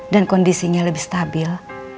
dan kondisinya lebih stabil